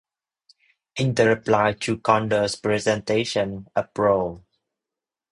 In the reply to Conder's presentation, a Bro.